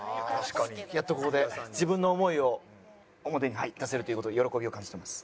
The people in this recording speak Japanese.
やっとここで自分の思いを表に出せるという事で喜びを感じてます。